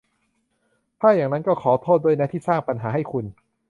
ถ้าอย่างนั้นก็ขอโทษด้วยนะที่สร้างปัญหาให้คุณ